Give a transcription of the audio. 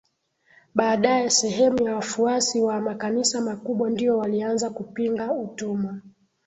baadaye sehemu ya wafuasi wa makanisa makubwa ndio walianza kupinga utumwa